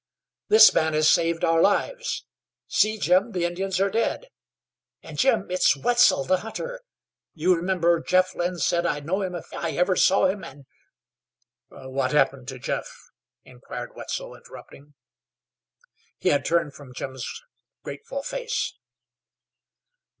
"This man has saved our lives! See, Jim, the Indians are dead! And, Jim, it's Wetzel, the hunter. You remember, Jeff Lynn said I'd know him if I ever saw him and " "What happened to Jeff?" inquired Wetzel, interrupting. He had turned from Jim's grateful face.